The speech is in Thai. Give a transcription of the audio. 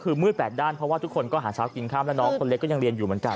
คือมืดแปดด้านเพราะว่าทุกคนก็หาเช้ากินค่ำแล้วน้องคนเล็กก็ยังเรียนอยู่เหมือนกัน